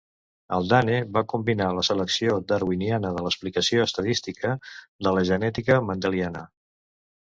Haldane, van combinar la selecció darwiniana de l'explicació estadística de la genètica mendeliana.